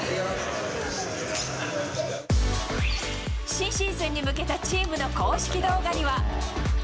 新シーズンに向けたチームの公式動画には。